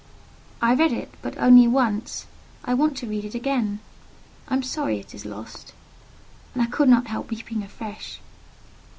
"I read it, but only once. I want to read it again. I am sorry it is lost." And I could not help weeping afresh.